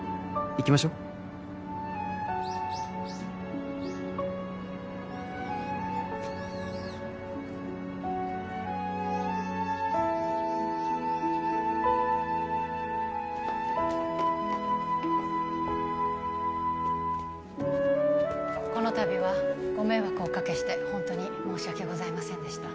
行きましょこの度はご迷惑をおかけしてホントに申し訳ございませんでした